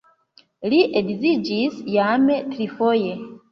Li edziĝis jam trifoje.